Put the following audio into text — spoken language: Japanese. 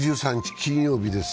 金曜日です。